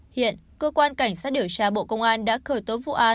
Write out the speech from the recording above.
hiện cơ quan cảnh sát điều tra bộ công an đã khởi tố vụ án